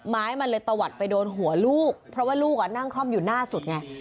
ไม้มันเลยตะวัดไปโดนหัวลูกเพราะว่าลูกนั่งคล่อมอยู่หน้าสุดไง